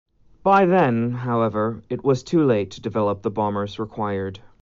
By then, however, it was too late to develop the bombers required.